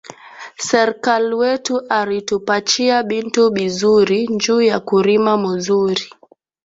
Serkali wetu ari tupachiya bintu bizuri nju ya kurima muzuri